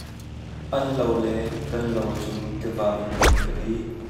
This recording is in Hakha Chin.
An lo le kan lo cu tiva in kan i ri.